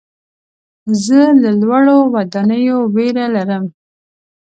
زه له لوړو ودانیو ویره لرم.